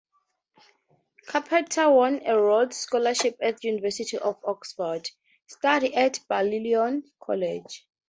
Carpenter won a Rhodes scholarship at the University of Oxford, studying at Balliol College.